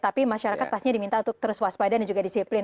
tapi masyarakat pasti diminta untuk terus waspada dan disiplin